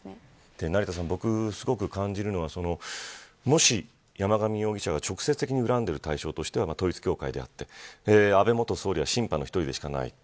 成田さん、僕が感じるのはもし、山上容疑者が直接的に恨んでる対象としては統一教会で安倍元総理はシンパの１人でしかない。